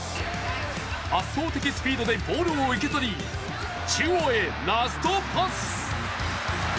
圧倒的スピードでボールを受け取り中央へラストパス。